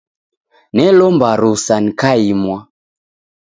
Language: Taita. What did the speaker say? Nelomba rusa nikaimwa.